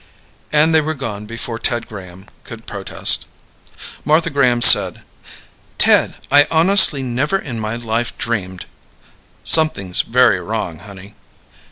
And they were gone before Ted Graham could protest. Martha Graham said, "Ted, I honestly never in my life dreamed " "Something's very wrong, honey."